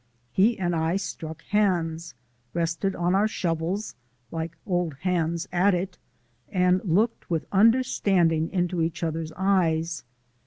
He and I struck hands, rested on our shovels (like old hands at it), and looked with understanding into each other's eyes.